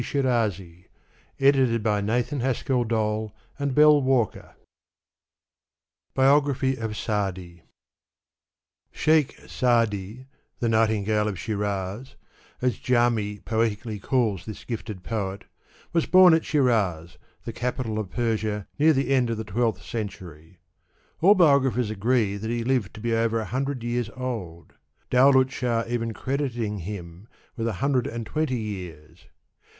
fclj Digitized by Google f Digitized by Google Digitized by Google SA'DL Shaikh Sa^di, the nightingale of Shiraz, as Jami poeti cally calls this gifted poet, was bom at Shiraz, the capital of Persia, near the end of the twelfth century. All biogra phers agree that he lived to be over a hundred years old, Daulat Shah even crediting him with a hundred and twenty years.